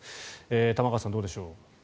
玉川さん、どうでしょう。